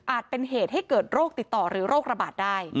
เป็นเหตุให้เกิดโรคติดต่อหรือโรคระบาดได้